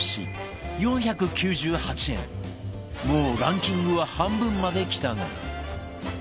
もうランキングは半分まできたが